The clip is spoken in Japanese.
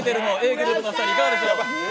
ｇｒｏｕｐのお二人いかがでしょうか。